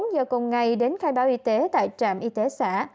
một mươi bốn h cùng ngày đến khai báo y tế tại trạm y tế xã